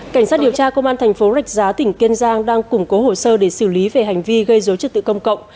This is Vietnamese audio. cảnh sát điều tra công an thành phố rạch giá tỉnh kiên giang đang củng cố hồ sơ để xử lý về hành vi gây dối trật tự công cộng